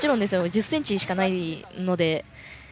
１０ｃｍしかないので。